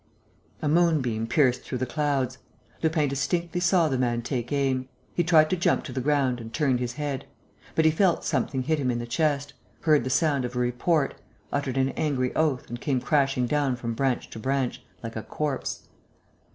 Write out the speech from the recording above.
A moonbeam pierced through the clouds. Lupin distinctly saw the man take aim. He tried to jump to the ground and turned his head. But he felt something hit him in the chest, heard the sound of a report, uttered an angry oath and came crashing down from branch to branch, like a corpse.